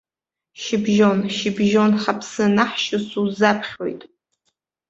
Шьыбжьон, шьыбжьон ҳаԥсы анаҳшьо сузаԥхьоит.